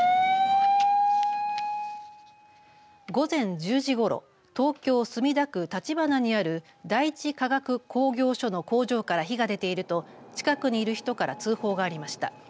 午前１０時ごろ東京、墨田区立花にある第一化学工業所の工場から火が出ていると近くにいる人から通報がありました。